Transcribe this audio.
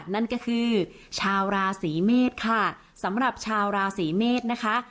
นั่นก็คือชาวราศีเมษค่ะสำหรับชาวราศีเมษนะคะ